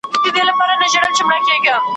درنیژدې می که په مینه بې سببه بې پوښتنی .